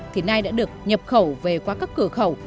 thì nay đã được nhập khẩu về qua các cửa khẩu